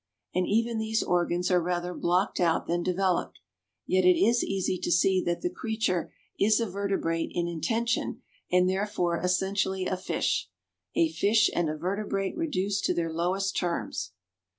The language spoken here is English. And even these organs are rather blocked out than developed, yet it is easy to see that the creature is a vertebrate in intention and therefore essentially a fish a fish and a vertebrate reduced to their lowest terms.